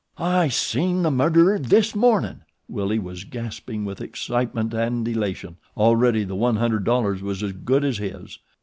"I seen the murderer this mornin'," Willie was gasping with excitement and elation. Already the one hundred dollars was as good as his.